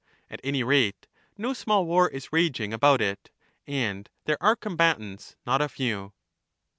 at any rate, no small war is raging about it, and there are combatants not a few.